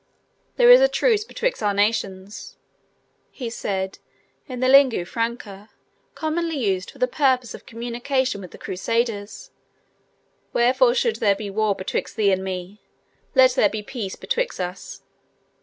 "There is truce betwixt our nations," he said, in the lingua franca commonly used for the purpose of communication with the Crusaders; "wherefore should there be war betwixt thee and me? Let there be peace betwixt us."